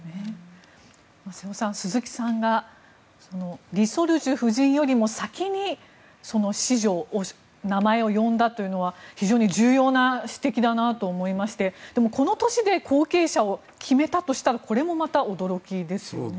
瀬尾さん、鈴木さんが李雪主夫人よりも先に子女の名前を呼んだというのは非常に重要な指摘だなと思いましてでもこの年で後継者を決めたとしたらこれもまた驚きですよね。